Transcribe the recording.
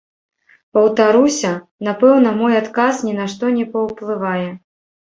Паўтаруся, напэўна, мой адказ ні на што не паўплывае.